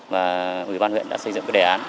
và ủy ban huyện đã xây dựng đề án